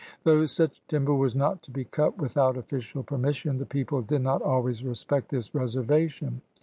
Though such timber was not to be cut without official permission, the people did not always respect this reservation.